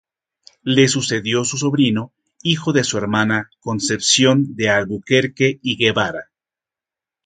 Le sucedió su sobrino hijo de su hermana Concepción de Alburquerque y Guevara.